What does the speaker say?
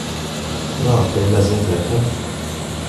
Maɣef ay mazal terfamt?